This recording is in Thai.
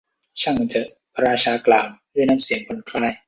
ช่างมันเถอะ พระราชากล่าว ด้วยน้ำเสียงผ่อนคลาย